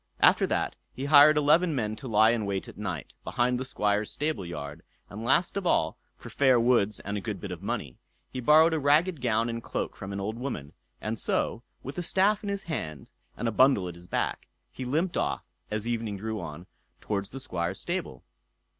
After that he hired eleven men to lie in wait at night, behind the Squire's stable yard; and last of all, for fair words and a good bit of money, he borrowed a ragged gown and cloak from an old woman; and so, with a staff in his hand, and a bundle at his back, he limped off, as evening drew on, towards the Squire's stable.